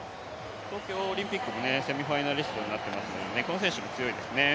東京オリンピックもセミファイナリストになってますからこの選手も強いですよね。